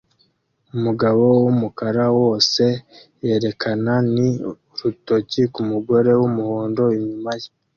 Umugabo wumukara wose yerekana ni urutoki kumugore wumuhondo inyuma ye